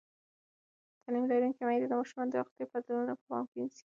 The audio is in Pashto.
تعلیم لرونکې میندې د ماشومانو د روغتیا بدلونونه په پام کې نیسي.